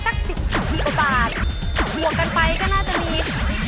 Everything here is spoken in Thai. ๑๐ปัสกันหัวกันไปก็น่าจะมี